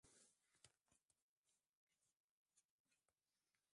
ikiwa ni moja ya njia ya kuusaka uungwaji mkono